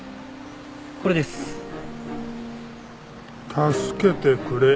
「助けてくれ」